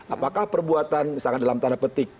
apakah perbuatan misalkan dalam tanda petik